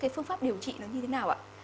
phương pháp điều trị nó như thế nào